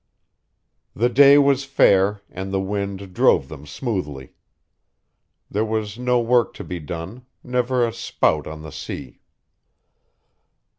The day was fair, and the wind drove them smoothly. There was no work to be done, never a spout on the sea.